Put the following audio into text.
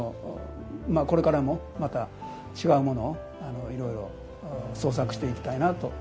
これからもまた違うものをいろいろ創作していきたいなと思います。